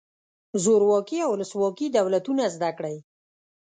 زورواکي او ولسواکي دولتونه زده کړئ.